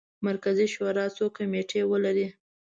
مرکزي شورا څو کمیټې ولري.